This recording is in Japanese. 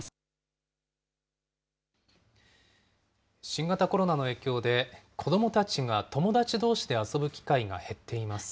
新型コロナの影響で、子どもたちが友達どうしで遊ぶ機会が減っています。